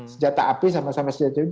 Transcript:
senjata api sama sama senjata